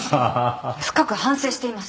深く反省しています。